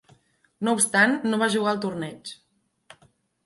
No obstant, no va jugar el torneig.